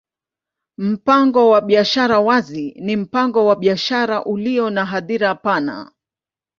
Mpango wa biashara wazi ni mpango wa biashara ulio na hadhira pana.